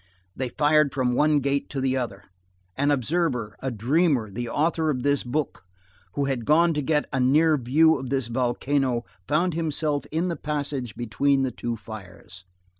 They fired from one gate to the other. An observer, a dreamer, the author of this book, who had gone to get a near view of this volcano, found himself in the passage between the two fires.